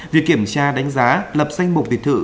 việc kiểm tra đánh giá lập danh mục biệt thự